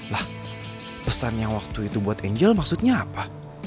lah pesannya waktu itu buat angel maksudnya apa